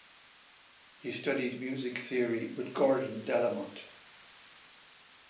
He studied music theory with Gordon Delamont.